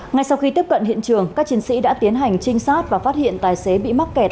ngay sau khi tiếp cận hiện trường các chiến sĩ đã tiến hành trinh sát và phát hiện tài xế bị mắc kẹt